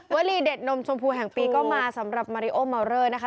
วลีเด็ดนมชมพูแห่งปีก็มาสำหรับมาริโอเมาเลอร์นะคะ